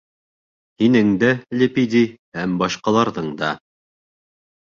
Һинең дә, Лепидий, һәм башҡаларҙың да.